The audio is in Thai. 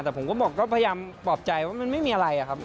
แต่ผมก็บอกก็พยายามปลอบใจว่ามันไม่มีอะไรอะครับ